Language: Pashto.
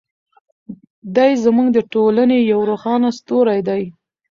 دی زموږ د ټولنې یو روښانه ستوری دی.